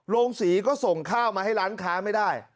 โรงศรีก็ส่งข้าวมาให้ร้านค้าไม่ได้